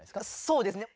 そうですね。